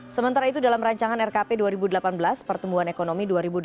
sementara itu dalam rancangan rkp dua ribu delapan belas pertumbuhan ekonomi dua ribu delapan belas